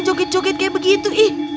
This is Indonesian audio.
cokit cokit kayak begitu ih